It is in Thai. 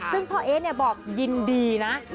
ซึ่งพ่อเอ๊บอกยินดีนะ